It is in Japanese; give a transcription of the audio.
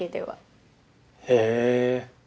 へえ。